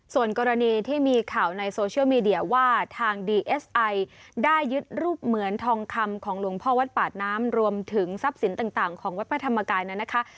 ส่วนกรณีที่มีข่าวในโซเชียลมีเดียว่าทางดีเอสไอได้ยึดรูปเหมือนทองคำของหลวงพ่อวัดปากน้ำรวมถึงทรัพย์สินต่างของวัดพระธรรมกายนั้นนะคะ